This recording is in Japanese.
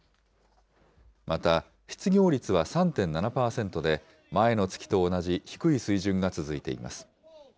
また、失業率は３．７％で、前の月と同じ低い水準が続いています。